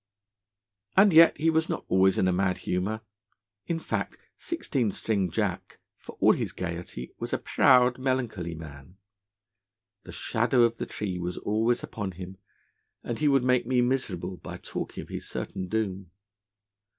'And yet he was not always in a mad humour; in fact, Sixteen String Jack, for all his gaiety, was a proud, melancholy man. The shadow of the tree was always upon him, and he would make me miserable by talking of his certain doom.